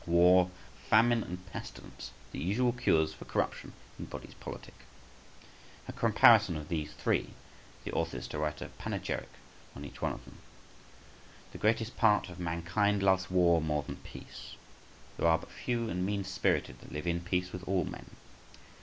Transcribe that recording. War, famine, and pestilence, the usual cures for corruption in bodies politic. A comparison of these three—the author is to write a panegyric on each of them. The greatest part of mankind loves war more than peace. They are but few and mean spirited that live in peace with all men.